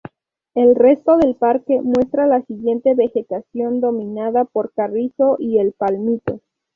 El resto del parque muestra la siguiente vegetación dominada por carrizo y el palmito.